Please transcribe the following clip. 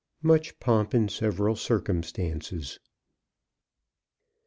_Much Pomp and Several Circumstances.